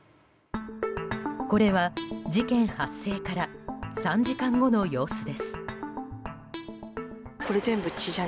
これは、事件発生から３時間後の様子です。